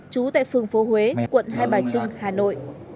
trú tại phường phố huế quận hai bà trưng hà nội